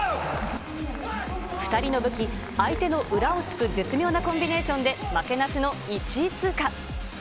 ２人の武器、相手の裏をつく絶妙なコンビネーションで、負けなしの１位通過。